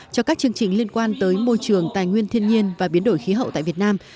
cho các chương trình liên quan tới môi trường tài nguyên thiên nhiên và biến đổi khí hậu tại việt nam